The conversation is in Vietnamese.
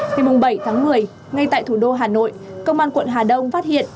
từ mùng bảy tháng một mươi ngay tại thủ đô hà nội công an quận hà đông phát hiện